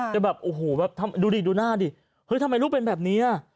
แต่แบบโอ้โหแบบดูดิดูหน้าดิเฮ้ยทำไมลูกเป็นแบบนี้